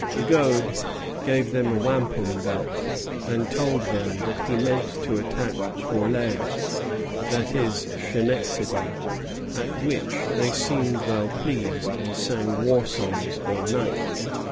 Rigaud gave them a wampum belt, and told them that he meant to attack Corlaer, that is, Schenectady; at which they seemed well pleased, and sang war songs all night.